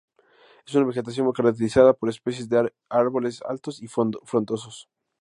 Es una vegetación caracterizada por especies de árboles altos y frondosos.